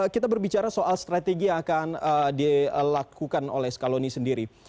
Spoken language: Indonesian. kita berbicara soal strategi yang akan dilakukan oleh scaloni sendiri